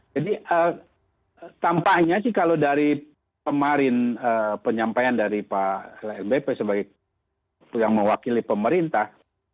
jadi tampaknya sih kalau dari kemarin penyampaian dari pak lnbp sebagai yang mewakili pemerintah